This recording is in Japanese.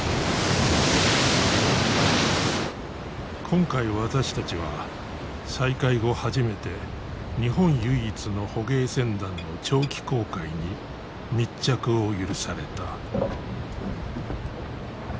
今回私たちは再開後初めて日本唯一の捕鯨船団の長期航海に密着を許された。